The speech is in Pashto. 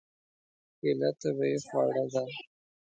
کېله طبیعي خواړه ده.